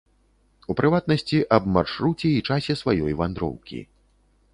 У прыватнасці, аб маршруце і часе сваёй вандроўкі.